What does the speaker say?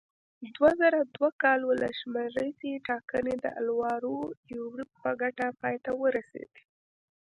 دوه زره دوه کال ولسمشریزې ټاکنې د الوارو یوریب په ګټه پای ته ورسېدې.